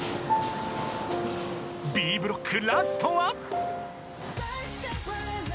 ［Ｂブロックラストは］